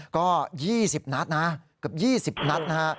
ก็๒๐นัดนะเกือบ๒๐นัดนะฮะ